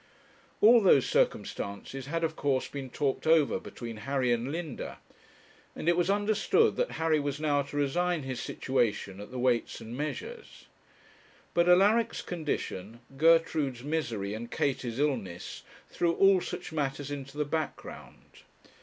All those circumstances had, of course, been talked over between Harry and Linda, and it was understood that Harry was now to resign his situation at the Weights and Measures. But Alaric's condition, Gertrude's misery, and Katie's illness, threw all such matters into the background.